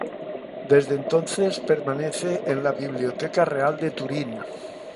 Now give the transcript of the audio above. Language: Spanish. Desde entonces permanece en la Biblioteca Real de Turín.